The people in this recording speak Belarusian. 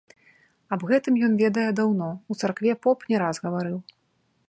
Аб гэтым ён ведае даўно, у царкве поп не раз гаварыў.